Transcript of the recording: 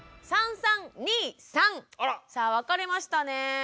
さあ分かれましたね。